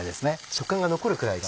食感が残るくらいが。